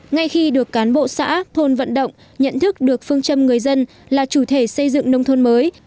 ngay khi được cán bộ xã thôn vận động nhận thức được phương châm người dân là chủ thể xây dựng nông thôn mới